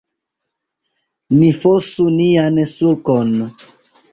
Ni fosu nian sulkon.